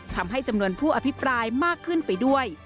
ทำให้จำนวนผู้อภิปรายมากขึ้นไปด้วย